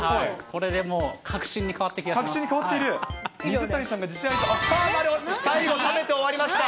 これでもう確信に変わってきました。